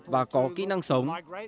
và có kỹ năng sống